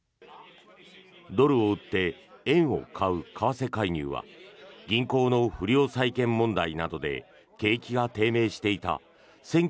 ドルを売って円を買う為替介入は銀行の不良債権問題などで景気が低迷していた